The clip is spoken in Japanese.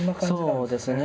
そうですね。